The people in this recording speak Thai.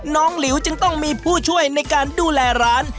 หลิวจึงต้องมีผู้ช่วยในการดูแลร้าน